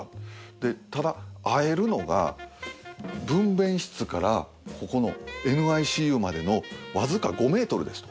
でただ会えるのが分娩室からここのＮＩＣＵまでのわずか５ｍですと。